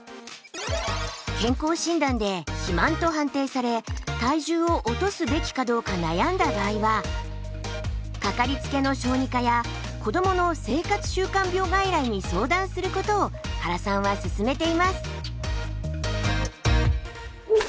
健康診断で肥満と判定され体重を落とすべきかどうか悩んだ場合はかかりつけの小児科や子どもの生活習慣病外来に相談することを原さんは勧めています。